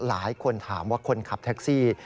หลายคนถามว่าคนขับแท็กซี่